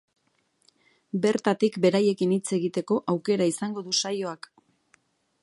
Bertatik beraiekin hitz egiteko aukera izango du saioak.